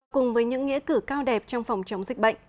cùng với những nghĩa cử cao đẹp trong phòng chống dịch bệnh